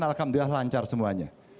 alhamdulillah lancar semuanya